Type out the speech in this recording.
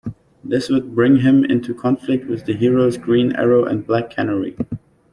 This would bring him into conflict with the heroes Green Arrow and Black Canary.